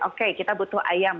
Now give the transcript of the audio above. oke kita butuh ayam